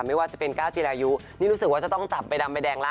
ไม่ว่าจะเป็นก้าวจิรายุนี่รู้สึกว่าจะต้องจับใบดำใบแดงละ